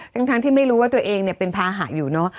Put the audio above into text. ตั้งทั้งที่ไม่รู้ว่าตัวเองเนี่ยเป็นพาหาอยู่เนอะ